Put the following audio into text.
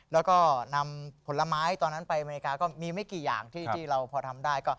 แล้วก็นำผลไม้ตอนนั้นไปอเมริกาก็มีไม่กี่อย่างที่เราพอทำได้